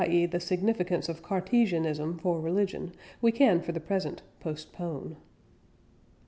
e. the significance of Cartesianism for religion, we can for the present postpone.